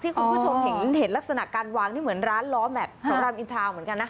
คุณผู้ชมเห็นลักษณะการวางนี่เหมือนร้านล้อแม็กซ์สำหรับอินทาวน์เหมือนกันนะ